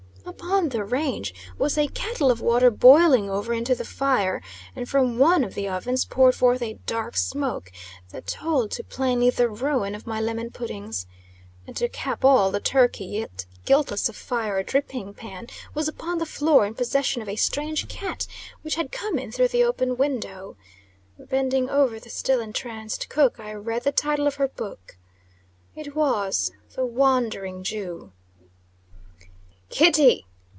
Upon the range was a kettle of water boiling over into the fire, and from one of the ovens poured forth a dark smoke, that told too plainly the ruin of my lemon puddings. And, to cap all, the turkey, yet guiltless of fire or dripping pan, was upon the floor, in possession of a strange cat, which had come in through the open window. Bending over the still entranced cook, I read the title of her book. It was "THE WANDERING JEW." "Kitty!"